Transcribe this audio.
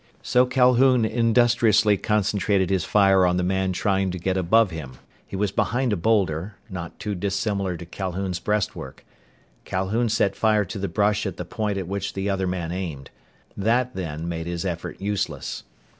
So Calhoun industriously concentrated his fire on the man trying to get above him. He was behind a boulder, not too dissimilar to Calhoun's breastwork. Calhoun set fire to the brush at the point at which the other man aimed. That, then, made his effort useless.